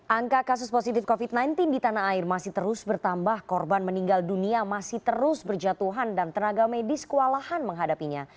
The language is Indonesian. angka kasus positif covid sembilan belas di tanah air masih terus bertambah korban meninggal dunia masih terus berjatuhan dan tenaga medis kewalahan menghadapinya